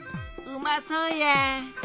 うまそうや。